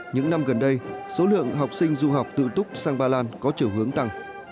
những năm gần đây số lượng học sinh du học tự túc sang ba lan có chiều hướng tăng